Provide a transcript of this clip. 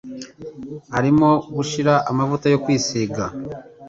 Arimo gushira amavuta yo kwisiga.